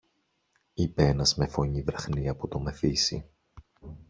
είπε ένας με φωνή βραχνή από το μεθύσι.